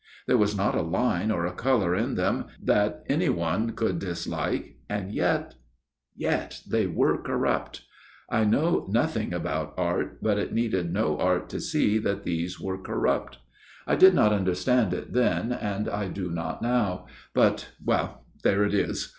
There was not a line or a colour in them that any one could dislike, and yet yet they were corrupt. I know nothing about art ; but it needed no art to see that these were corrupt. I did not understand it then, and I do not now ; but well, there it is.